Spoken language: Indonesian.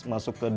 masuk ke dunia